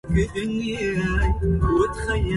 يا من تشابه منه الخلق والخلق